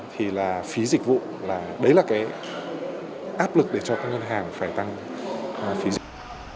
thì là phí dịch vụ là đấy là cái áp lực để cho các ngân hàng phải tăng phí dịch